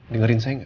dengerin saya gak